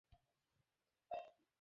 অল্প লোকেই তাঁদের বুঝতে পারে।